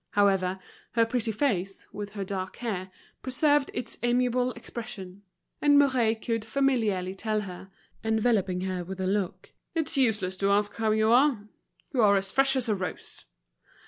However, her pretty face, with her dark hair, preserved its amiable expression. And Mouret could familiarly tell her, enveloping her with a look: "It's useless to ask how you are. You are as fresh as a rose."